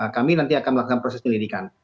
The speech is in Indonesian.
kami nanti akan melakukan proses penyelidikan